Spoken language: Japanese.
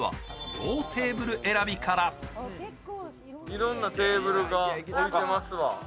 いろんなテーブルが置いてますわ。